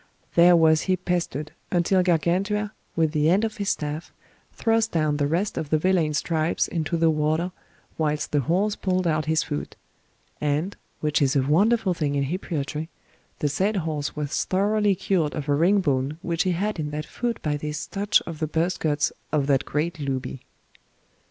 There was he pestered, until Gargantua, with the end of his staff, thrust down the rest of the villain's tripes into the water whilst the horse pulled out his foot; and, which is a wonderful thing in hippiatry, the said horse was thoroughly cured of a ringbone which he had in that foot by this touch of the burst guts of that great looby.